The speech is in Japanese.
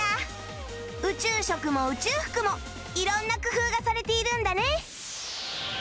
宇宙食も宇宙服も色んな工夫がされているんだね